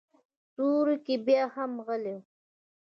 سورکی بياهم غلی و.